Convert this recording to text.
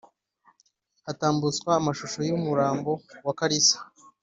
hatambutswa amashusho yumurambo wa kalisa